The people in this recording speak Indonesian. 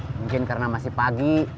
mungkin karena masih pagi